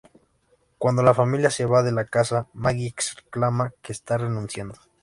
Cuando la familia se va de la casa, Maggie exclama que está renunciando.